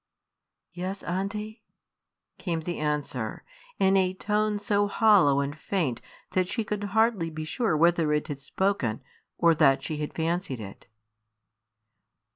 "Yes, aunty," came the answer, in a tone so hollow and faint that she could hardly be sure whether it had been spoken, or that she had fancied it.